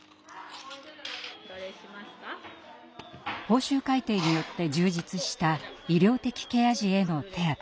報酬改定によって充実した医療的ケア児への手当。